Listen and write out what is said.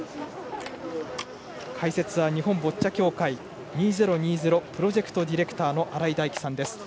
解説は日本ボッチャ協会２０２０プロジェクトディレクター新井大基さんです。